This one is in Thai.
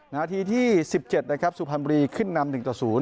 นาทีที่๑๗นะครับสุพรรณบุรีขึ้นนำ๑ต่อ๐